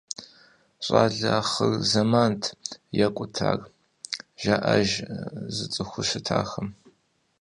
«Щӏалэ ахъырзэмант, екӏут ар», – жаӏэж зыцӏыхуу щытахэм.